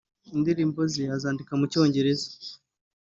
Indirimbo ze azandika mu Cyongereza